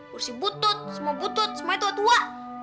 bursi butut semua butut semuanya tua tua